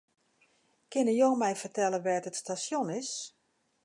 Kinne jo my fertelle wêr't it stasjon is?